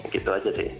gitu aja sih